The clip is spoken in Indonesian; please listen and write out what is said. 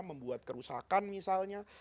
membuat kerusakan misalnya